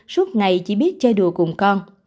suốt ngày chỉ biết chơi đùa cùng con